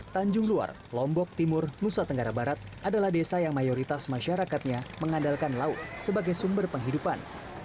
tanjung luar lombok timur nusa tenggara barat adalah desa yang mayoritas masyarakatnya mengandalkan laut sebagai sumber penghidupan